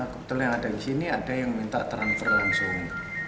kebetulan yang ada di sini ada yang minta transfer langsung